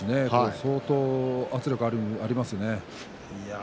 相当圧力がありますね。